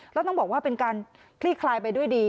แล้วต้องบอกว่าเป็นการคลี่คลายไปด้วยดี